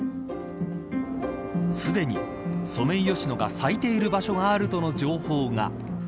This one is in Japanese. すでにソメイヨシノが咲いている場所があるとの情報が。